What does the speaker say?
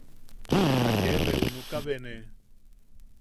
Ta ke be junuka be ne.